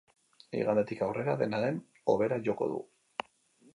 Igandetik aurrera, dena den, hobera joko du.